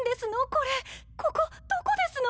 これここどこですの？